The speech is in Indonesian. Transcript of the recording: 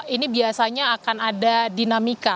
ini biasanya akan ada dinamika